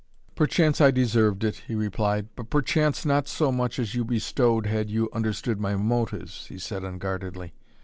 "Perchance I deserved it," he replied. "But perchance not so much as you bestowed, had you understood my motives," he said unguardedly.